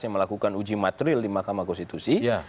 yang melakukan uji materil di mahkamah konstitusi